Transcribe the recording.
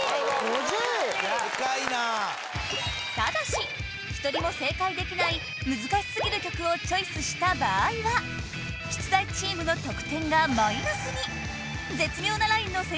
デカいなただし１人も正解できない難しすぎる曲をチョイスした場合は出題チームの得点がマイナスに！